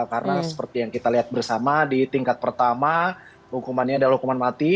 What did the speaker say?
karena seperti yang kita lihat bersama di tingkat pertama hukumannya adalah hukuman mati